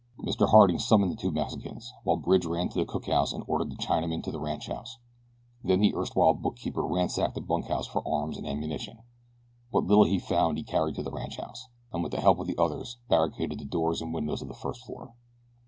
Mr. Harding summoned the two Mexicans while Bridge ran to the cookhouse and ordered the Chinaman to the ranchhouse. Then the erstwhile bookkeeper ransacked the bunkhouse for arms and ammunition. What little he found he carried to the ranchhouse, and with the help of the others barricaded the doors and windows of the first floor.